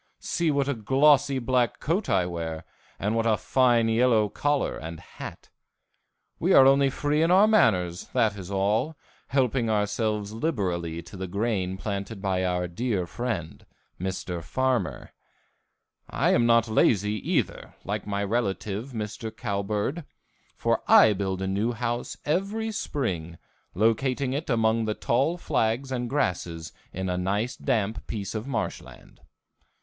See what a glossy black coat I wear and what a fine yellow collar and hat. We are only free in our manners, that is all, helping ourselves liberally to the grain planted by our dear friend, Mr. Farmer. I am not lazy, either, like my relative, Mr. Cowbird, for I build a new house every spring, locating it among the tall flags and grasses in a nice damp piece of marshland.